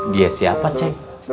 dia siapa ceng